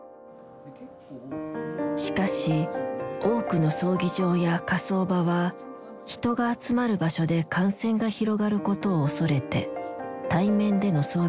しかし多くの葬儀場や火葬場は人が集まる場所で感染が広がることを恐れて対面での葬儀を自粛した。